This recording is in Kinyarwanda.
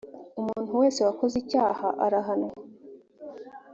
umuntu wese wakoze icyaha araanwa